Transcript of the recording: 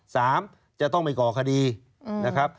จะต้องไปก่อคดีนะครับ